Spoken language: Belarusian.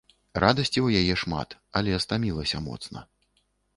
Радасці ў яе шмат, але стамілася моцна.